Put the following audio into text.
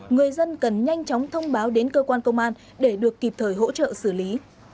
người dân cần nhanh chóng thông báo đến cơ quan công an để được kịp thời hỗ trợ xử lý